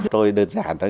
tôi đơn giản thôi